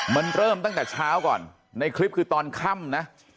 มันเริ่มตั้งแต่เช้าก่อนในคลิปคือตอนค่ำนะ